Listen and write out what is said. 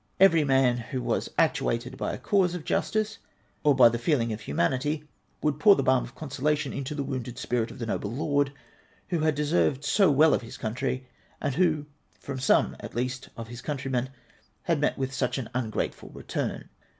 Every man who was actuated by a cause of justice, or by the feeling of humanity, would pour the balm of consolation into the wounded spirit of the noble Lord, who had deserved so well of his country, and who, from some, at least, of his country men, had met with such an ungrateful return.